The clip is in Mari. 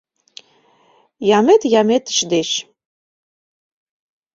— Ямет Яметыч деч.